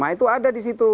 itu ada di situ